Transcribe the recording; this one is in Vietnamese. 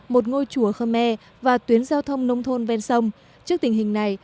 một ngôi chùa khơ me và tuyến giao thông nông thôn ven sông trước tình hình này